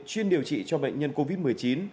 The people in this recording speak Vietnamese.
chuyên điều trị cho bệnh nhân covid một mươi chín